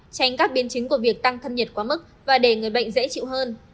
tránh các biến chứng của việc tăng thân nhiệt quá mức và để người bệnh dễ chịu hơn